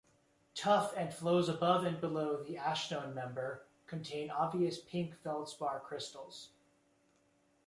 Tuff and flows above and below the ashstone member contain obvious pink feldspar crystals.